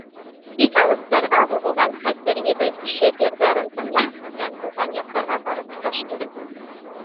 Бик алыҫтарға һуҙылған хәтер ебе бишек йырҙарын тыңлап үҫкән тыуған яҡтарға барып тоташты.